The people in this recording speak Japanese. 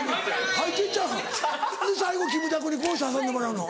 入っていっちゃうの？で最後キムタクにこうして挟んでもらうの？